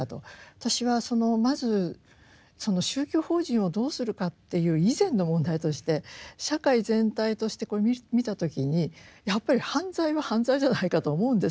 私はまずその宗教法人をどうするかっていう以前の問題として社会全体としてこれ見た時にやっぱり犯罪は犯罪じゃないかと思うんですよ。